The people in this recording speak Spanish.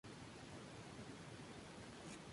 ¿no beberíamos?